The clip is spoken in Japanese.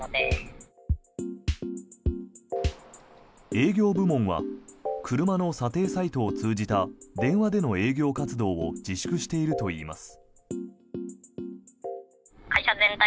営業部門は車の査定サイトを通じた電話での営業活動を自粛しているといいます。